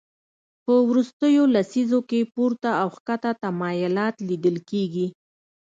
په وروستیو لسیزو کې پورته او کښته تمایلات لیدل کېږي